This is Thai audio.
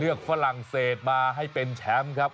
ฝรั่งเศสมาให้เป็นแชมป์ครับ